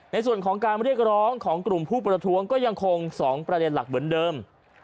ในส่วนของการเรียกร้องของกลุ่มผู้ประท้วงก็ยังคง๒ประเด็นหลักเหมือนเดิม